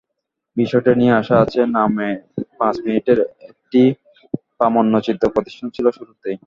বিষয়টি নিয়ে আশা আছে নামে পাঁচ মিনিটের একটি প্রামাণ্যচিত্র প্রদর্শনী ছিল শুরুতেই।